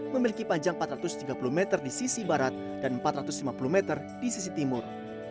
memiliki panjang empat ratus tiga puluh meter di sisi barat dan empat ratus lima puluh meter di sisi timur